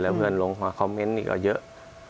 แล้วเพื่อนลงคอมเมนต์อีกก็เยอะ